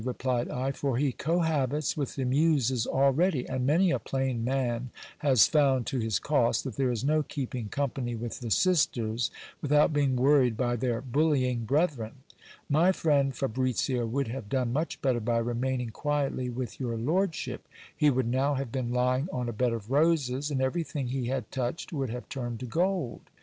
replied I ; for he cohabits with the muses already ; and many a plain man has found, to his cost, that there is no keeping company with the sisters, without being worried by their bullying brethren. My friend Fabricio would have done much better by remaining quietly with your lord ship ; he would now have been King on a bed of roses, and everything he had touched would have turned to gold.